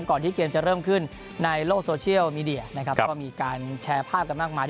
ก่อนที่เกมจะเริ่มขึ้นในโลกโซเชียลมีเดียนะครับก็มีการแชร์ภาพกันมากมาย